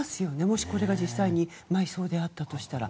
もしこれが実際に埋葬であったとしたら。